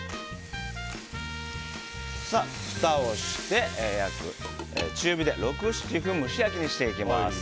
ふたをして、中火で約６７分蒸し焼きにしていきます。